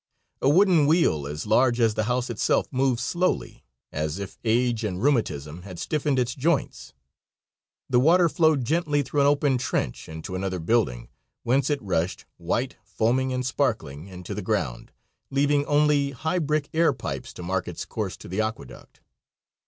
A wooden wheel as large as the house itself, moved slowly, as if age and rheumatism had stiffened its joints. The water flowed gently through an open trench into another building, whence it rushed, white, foaming and sparkling, into the ground, leaving only high brick air pipes to mark its course to the aqueduct.